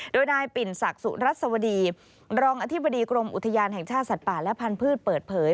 โดยนายปิ่นศักดิ์สุรัสวดีรองอธิบดีกรมอุทยานแห่งชาติสัตว์ป่าและพันธุ์เปิดเผย